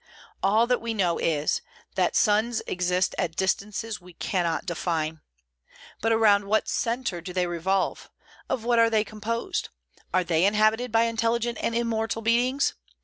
All that we know is, that suns exist at distances we cannot define. But around what centre do they revolve? Of what are they composed? Are they inhabited by intelligent and immortal beings?